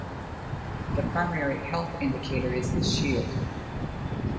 The primary health indicator is the shield.